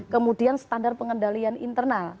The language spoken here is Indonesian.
kemudian standar pengendalian internal